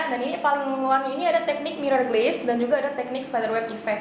dan ini paling luar ini ada teknik mirror glaze dan juga ada teknik spiderweb efek